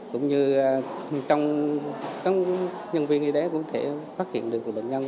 cũng như trong các nhân viên y tế cũng thể phát hiện được bệnh nhân